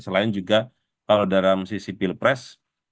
selain juga kalau dalam sisi pilpres